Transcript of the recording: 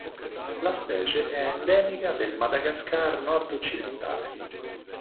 La specie è endemica del Madagascar nord-occidentale.